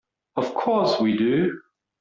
Of course we do.